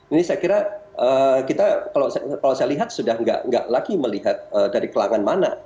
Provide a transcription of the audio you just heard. ini saya kira kita kalau saya lihat sudah tidak lagi melihat dari kelangan mana